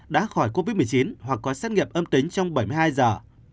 đã khỏi covid một mươi chín hoặc có xét nghiệm âm tính trong bảy mươi hai giờ